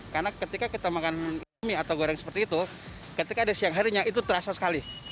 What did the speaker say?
karena ketika kita makan mie atau goreng seperti itu ketika ada siang harinya itu terasa sekali